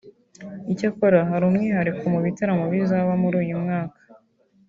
Icyakora hari umwihariko mu bitaramo bizaba muri uyu mwaka